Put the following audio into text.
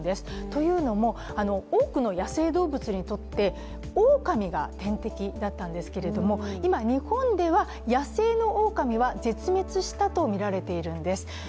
というのも、多くの野生動物にとっておおかみが天敵だったんですけれども、今日本では、野生のおおかみは絶滅したと言われているんです。